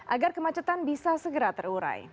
agar kemacetan bisa segera terurai